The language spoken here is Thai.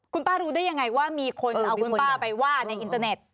คุณป้ารู้ได้ยังไงว่ามีคนเอาคุณป้าไปว่าในอินเตอร์เน็ต